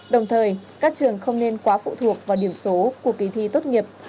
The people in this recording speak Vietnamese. đồng thời các trường không nên quá phụ thuộc vào điểm số của kỳ thi tốt nghiệp